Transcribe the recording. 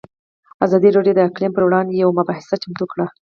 ازادي راډیو د اقلیم پر وړاندې یوه مباحثه چمتو کړې.